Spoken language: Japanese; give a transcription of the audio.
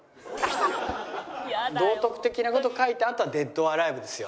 道徳的な事を書いたあとはデッド・オア・アライブですよ。